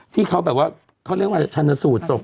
ที่เขาแบบว่าเขาเรียกว่าชันสูตรศพ